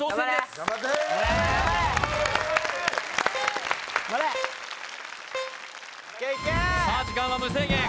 頑張れ！さあ時間は無制限